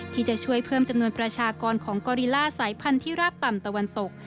ที่จะช่วยเพิ่มจำนวนประชากรของกอริล่าสายพันธุ์ที่ราบต่ำตะวันตก